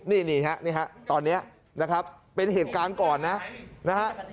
นี่ครับตอนนี้นะครับเป็นเหตุการณ์ก่อนนะฮะ